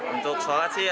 untuk salat sih